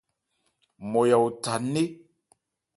Mmɔya otha nné.